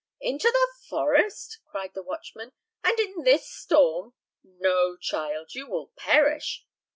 "Into the forest?" cried the watchman, "and in this storm? No, child; you will perish!"